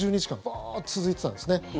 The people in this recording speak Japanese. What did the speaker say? バーッと続いていたんですね。